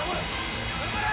頑張れ！